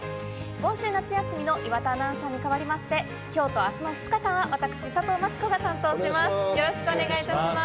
今週、夏休みの岩田アナウンサーに代わりまして、今日と明日の２日間は私、佐藤真知子が担当します。